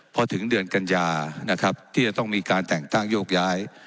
พอถึงเดือนกัญญานะครับที่จะต้องมีการแต่งตั้งโยกย้าย